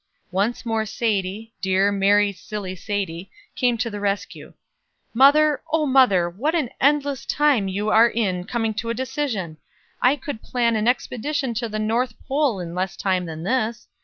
Once more Sadie, dear, merry, silly Sadie, came to the rescue. "Mother, oh, mother! what an endless time you are in coming to a decision! I could plan an expedition to the North Pole in less time than this.